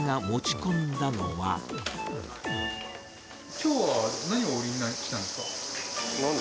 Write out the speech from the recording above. きょうは何を売りに来たんでなんだ